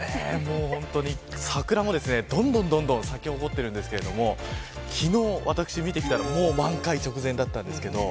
桜も、どんどん咲き誇っているんですけど昨日、私、見てきたら満開直前だったんですけど。